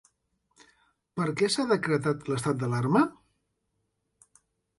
Per què s'ha decretat l'estat d'alarma?